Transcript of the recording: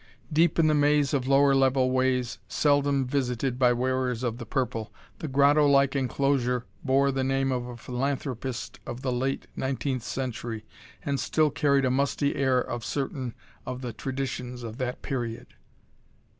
Deep in the maze of lower level ways seldom visited by wearers of the purple, the grottolike enclosure bore the name of a philanthropist of the late nineteenth century and still carried a musty air of certain of the traditions of that period.